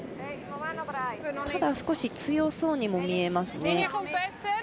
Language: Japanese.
ただ、少し強そうにも見えますね。